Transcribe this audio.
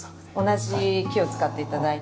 同じ木を使って頂いて。